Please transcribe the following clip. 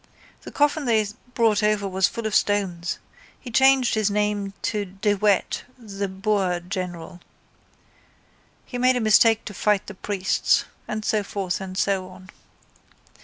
The coffin they brought over was full of stones. He changed his name to De Wet, the Boer general. He made a mistake to fight the priests. And so forth and so on.